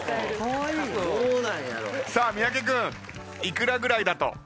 さあ三宅君いくらぐらいだと？